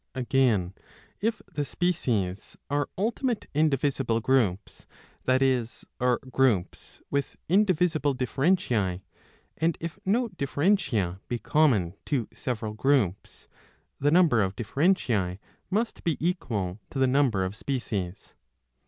^ 643 a. 12 1. 3. Again, if the species are ultimate indivisible groups, that is, are groups with indivisible differentiae, and if no differentia be common to several groups, the number of differentiae must be equal to the number of species.